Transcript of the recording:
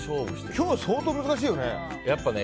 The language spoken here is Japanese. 今日、相当難しいよね。